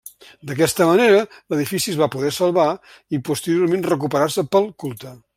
D'aquesta manera, l'edifici es va poder salvar i posteriorment recuperar-se pel culte.